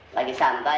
lagi santai ya